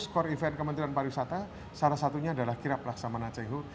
seratus core event kementerian pariwisata salah satunya adalah kirap laksamana cenggo